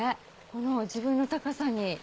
この自分の高さに。